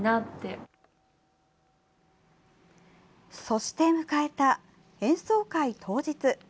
そして迎えた、演奏会当日。